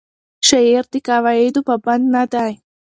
شاعر د قواعدو پابند نه دی.